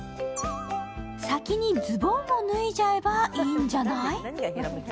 先にズボンを脱いじゃえばいいんじゃない？